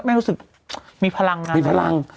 ไม่คิดมีพลังนะมีพลัง